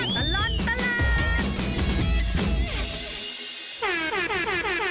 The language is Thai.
ช่วงตลอดตลาด